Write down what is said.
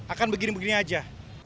akan begini begini aja